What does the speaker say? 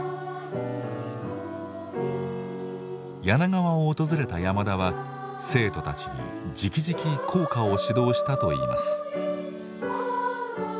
柳川を訪れた山田は生徒たちに直々校歌を指導したといいます。